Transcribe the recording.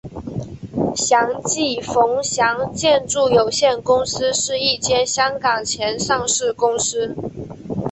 祥记冯祥建筑有限公司是一间香港前上市公司。